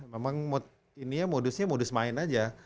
memang ini ya modusnya modus main aja